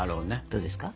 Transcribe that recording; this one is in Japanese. どうですか？